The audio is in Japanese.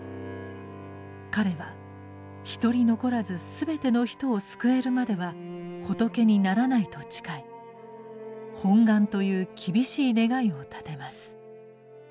彼は一人残らず全ての人を救えるまでは仏にならないと誓い「本願」という厳しい願いを立てます。